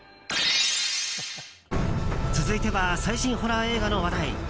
続いては最新ホラー映画の話題。